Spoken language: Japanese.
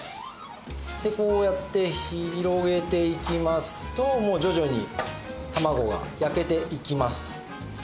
でこうやって広げていきますともう徐々に卵が焼けていきます。